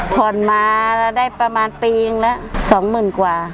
ผ่อนมาแล้วได้ประมาณปีนึงละสองหมื่นกว่า